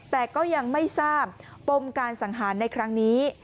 แต่ก็ยังไม่ทราบปมการสังหารในครั้งนี้